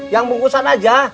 yang bungkusan saja